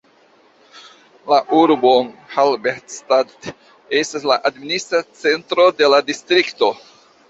La urbo Halberstadt estas la administra centro de la distrikto.